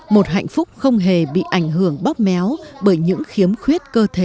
một hạnh phúc không hề bị ảnh hưởng bóp méo bởi những khiếm khuyết cơ thể